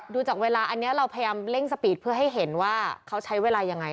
ดูจากเวลาอันนี้เราพยายามเร่งสปีดเพื่อให้เห็นว่าเขาใช้เวลายังไง